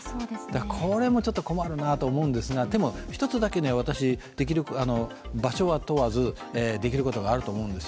これも困るなと思うんですが、でも一つだけ、場所は問わずできることがあると思うんです。